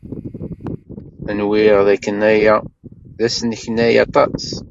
Nwiɣ dakken aya d asneknay aṭas.